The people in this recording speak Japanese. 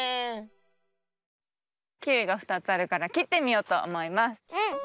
キウイが２つあるからきってみようとおもいます。